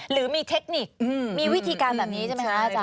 หรือมีเทคนิคมีวิธีการแบบนี้ใช่ไหมคะอาจาร